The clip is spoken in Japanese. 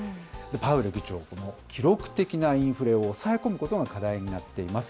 パウエル議長、記録的なインフレを抑え込むことが課題になっています。